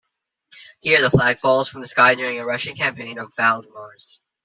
Here, the flag falls from the sky during a Russian campaign of Valdemar's.